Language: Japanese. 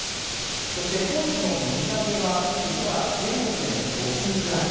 そして高知の水揚げは実は全国でもトップクラス。